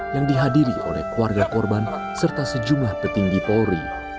yang dihadiri oleh keluarga korban serta sejumlah petinggi polri